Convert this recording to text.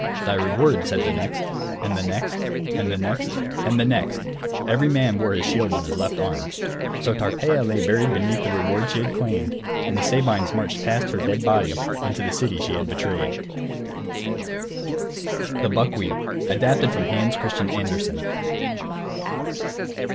"Thy reward," said the next and the next and the next and the next; every man wore his shield on his left arm. So Tarpeia lay buried beneath the reward she had claimed, and the Sabines marched past her dead body, into the city she had betrayed. THE BUCKWHEAT [Footnote 1: Adapted from Hans Christian Andersen.